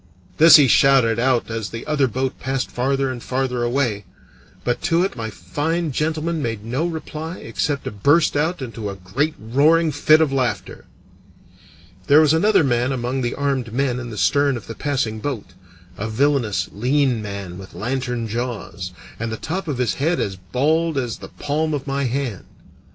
This he shouted out as the other boat passed farther and farther away, but to it my fine gentleman made no reply except to burst out into a great roaring fit of laughter. There was another man among the armed men in the stern of the passing boat a villainous, lean man with lantern jaws, and the top of his head as bald as the palm of my hand.